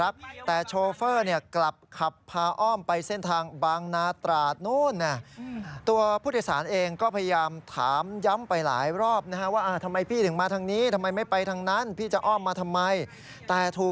เดี๋ยวมึงเจอกู